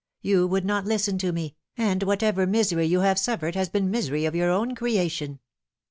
You would not listen to me, and whatever misery you have suffered has been misery of your own creation.